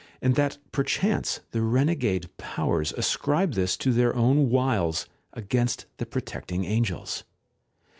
' and that perchance the renegade Powers ascribe this to their own wiles against the protecting Angels.